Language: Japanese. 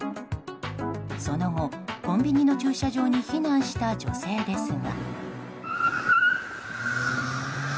その後、コンビニの駐車場に避難した女性ですが。